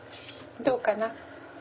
どうかな？